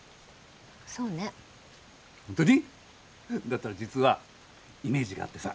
だったら実はイメージがあってさ。